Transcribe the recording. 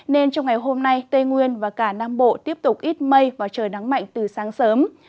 nên trong ngày hôm nay tây nguyên và cả nam bộ tiếp tục ít mây và trời nắng mạnh từ sáng sớm